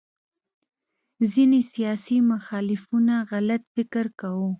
ځینې سیاسي مخالفینو غلط فکر کاوه